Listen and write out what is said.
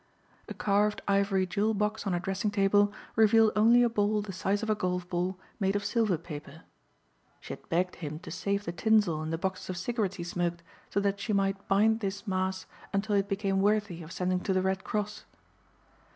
A carved ivory jewel box on her dressing table revealed only a ball the size of a golf ball made of silver paper. She had begged him to save the tinsel in the boxes of cigarettes he smoked so that she might bind this mass until it became worthy of sending to the Red Cross.